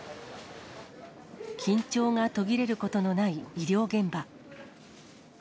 緊張が途切れることのない医療現場。